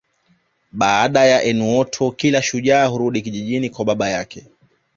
Baada ya eunoto kila shujaa hurudi kijijini kwa baba yake